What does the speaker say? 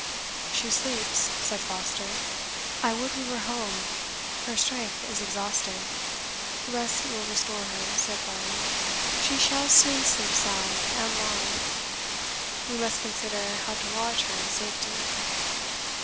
"She sleeps," said Foster. "I would we were home her strength is exhausted." "Rest will restore her," answered Varney. "She shall soon sleep sound and long. We must consider how to lodge her in safety."